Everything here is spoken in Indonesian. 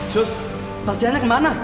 sus pasiennya kemana